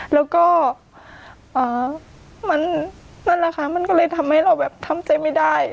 แล้วก็นั่นแหละค่ะมันก็เลยทำให้เราแบบทำใจไม่ได้